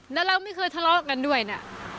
แล้วเราไม่เคยทะเลาะกันด้วยนะ